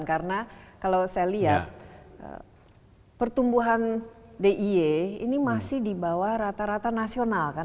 karena kalau saya lihat pertumbuhan di ini masih di bawah rata rata nasional kan